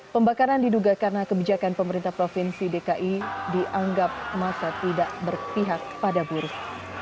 pembakaran diduga karena kebijakan pemerintah provinsi dki dianggap masa tidak berpihak pada buruh